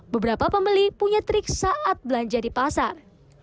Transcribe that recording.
beberapa pembeli punya trik saat belanja di pasar